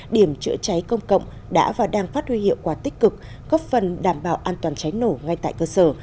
điểm chữa cháy công cộng đã và đang phát huy hiệu quả tích cực góp phần đảm bảo an toàn cháy nổ ngay tại cơ sở